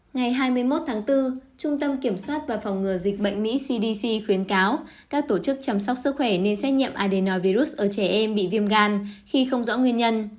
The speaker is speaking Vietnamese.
ngày hai mươi một tháng bốn trung tâm kiểm soát và phòng ngừa dịch bệnh mỹ cdc khuyến cáo các tổ chức chăm sóc sức khỏe nên xét nghiệm adno virus ở trẻ em bị viêm gan khi không rõ nguyên nhân